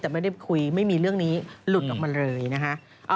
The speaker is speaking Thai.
แต่ไม่ได้คุยไม่มีเรื่องนี้หลุดออกมาเลยนะคะ